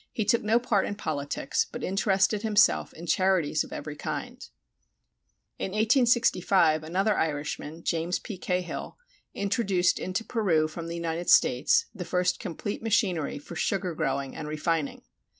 He took no part in politics, but interested himself in charities of every kind. In 1865 another Irishman, James P. Cahill, introduced into Peru from the United States the first complete machinery for sugar growing and refining.